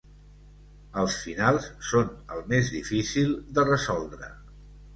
Els finals són el més difícil de resoldre.